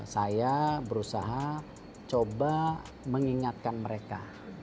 saya berusaha coba mengingatkan mereka